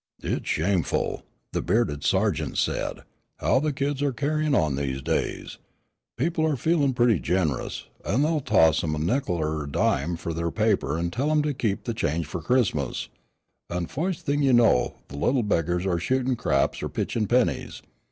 "It's shameful," the bearded sergeant said, "how the kids are carryin' on these days. People are feelin' pretty generous, an' they'll toss 'em a nickel er a dime fur their paper an' tell 'em to keep the change fur Christmas, an' foist thing you know the little beggars are shootin' craps er pitchin' pennies.